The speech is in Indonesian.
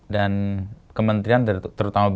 dan kementerian terutama bumn ya